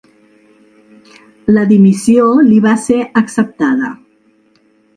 La dimissió li va ser acceptada.